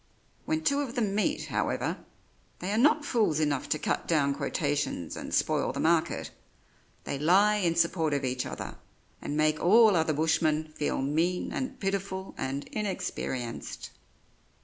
When two of them meet, however, they are not fools enough to cut down quotations and spoil the market; they lie in support of each other, and make all other bushmen feel mean and pitiful and inexperienced.